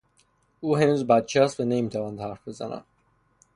او هنوز بچه است و نمیتواند حرف بزند.